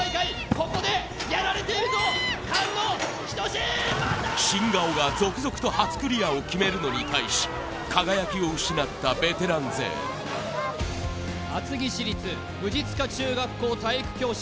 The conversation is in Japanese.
ここでやられているぞ新顔が次々と初クリアを決めるのに対し輝きを失ったベテラン勢厚木市立藤塚中学校体育教師